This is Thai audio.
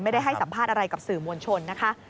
ให้สัมภาษณ์อะไรกับสื่อมวลชนนะคะ